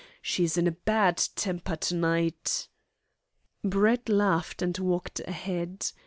She's in a bad temper to night." Brett laughed and walked ahead.